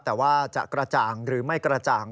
แต่ว่าจะกระจ่างหรือไม่กระจ่าง